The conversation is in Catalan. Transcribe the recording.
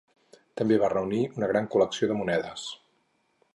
També va reunir una gran col·lecció de monedes.